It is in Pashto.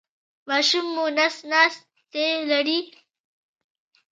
ماشوم مو نس ناستی لري؟